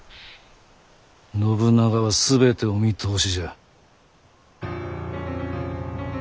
信長は全てお見通しじゃ。